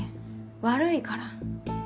悪いから。